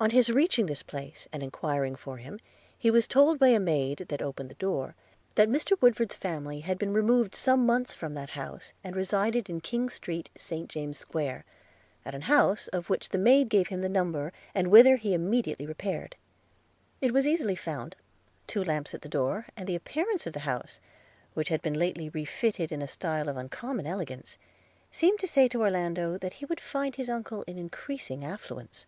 On his reaching this place, and enquiring for him, he was told by a maid that opened the door, that Mr. Woodford's family had been removed some months from that house, and resided in King's Street, St James's Square, at an house of which the maid gave him the number, and whither he immediately repaired. It was easily found – two lamps at the door, and the appearance of the house, which had been lately refitted in a style of uncommon elegance, seemed to say to Orlando, that he would find his uncle in increasing affluence.